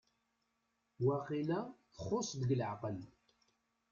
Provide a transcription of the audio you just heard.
Waqila txuṣ deg leɛqel?